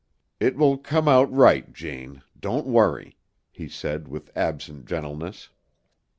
"It will come out right, Jane. Don't worry," he said with absent gentleness.